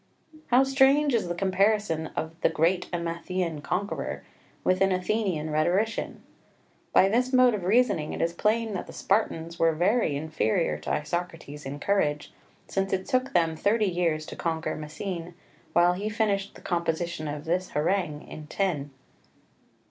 How strange is the comparison of the "great Emathian conqueror" with an Athenian rhetorician! By this mode of reasoning it is plain that the Spartans were very inferior to Isocrates in courage, since it took them thirty years to conquer Messene, while he finished the composition of this harangue in ten.